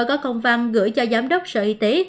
có công văn gửi cho giám đốc sở y tế